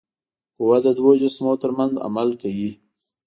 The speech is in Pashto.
قوه د دوو جسمونو ترمنځ عمل کوي.